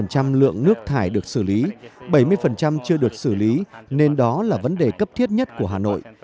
có ba mươi lượng nước thải được xử lý bảy mươi chưa được xử lý nên đó là vấn đề cấp thiết nhất của hà nội